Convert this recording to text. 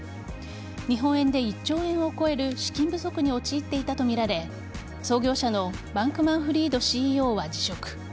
日本円で１兆円を超える資金不足に陥っていたとみられ創業者のバンクマンフリードＣＥＯは辞職。